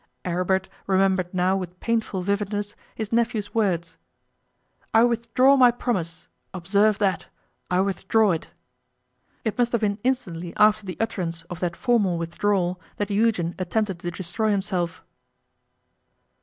Aribert remembered now with painful vividness his nephew's words: 'I withdraw my promise. Observe that I withdraw it.' It must have been instantly after the utterance of that formal withdrawal that Eugen attempted to destroy himself.